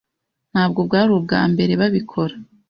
Ntabwo bwari ubwambere babikora.